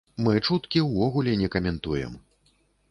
Мы чуткі ўвогуле не каментуем.